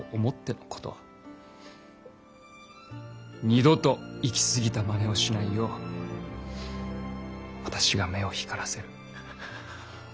二度と行き過ぎたまねをしないよう私が目を光らせる。